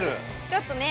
ちょっとね